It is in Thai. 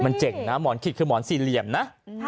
มันเจ๋งนะหมอนขิดคือหมอนสี่เหลี่ยมนะ